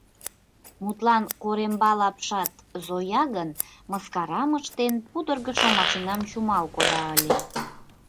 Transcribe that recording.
Мутлан, Корембал апшат Зоя гын, мыскарам ыштен, пудыргышо машинам чумал кода ыле.